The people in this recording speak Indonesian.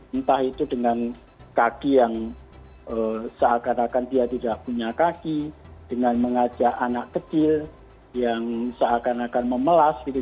entah itu dengan kaki yang seakan akan dia tidak punya kaki dengan mengajak anak kecil yang seakan akan memelas gitu